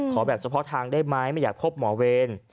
ขอแบบเฉพาะทางได้ไหมไม่อยากพบหมอเวร